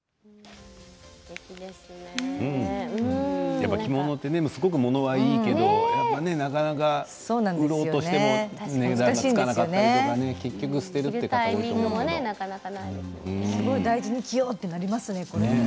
やっぱり着物ってすごく物はいいけどなかなか売ろうとしても値段がつかなかったりとかねすごく大事にしようとなりますね。